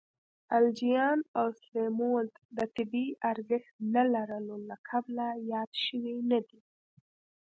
الجیان او سلیمولد د طبی ارزښت نه لرلو له کبله یاد شوي نه دي.